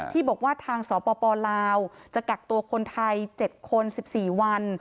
ที่บอกว่าทางสปลาวจะกักตัวคนไทย๗คน๑๔วัน